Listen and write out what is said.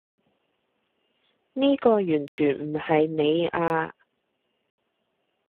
呢個完全唔係你啊